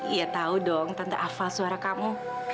iya tahu dong tante hafal suara kamu